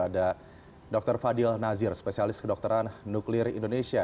ada dr fadil nazir spesialis kedokteran nuklir indonesia